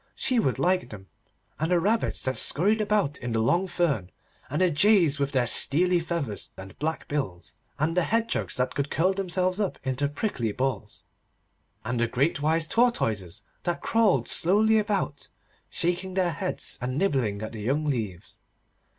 She would like them, and the rabbits that scurried about in the long fern, and the jays with their steely feathers and black bills, and the hedgehogs that could curl themselves up into prickly balls, and the great wise tortoises that crawled slowly about, shaking their heads and nibbling at the young leaves.